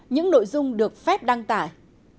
ba những nội dung được phép đăng tải